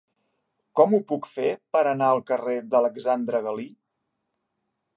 Com ho puc fer per anar al carrer d'Alexandre Galí?